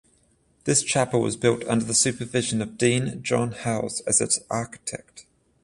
This chapel was built under the supervision of Dean John Hawes as its architect.